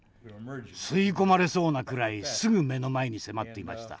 吸い込まれそうなくらいすぐ目の前に迫っていました。